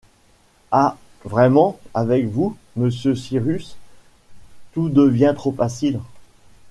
Ah ! vraiment, avec vous, monsieur Cyrus, tout devient trop facile !